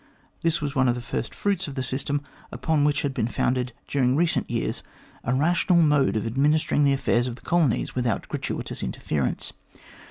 This was one of the first fruits of the system upon which had been founded during recent years a rational mode of administering the affairs of the colonies without gratuitous interference.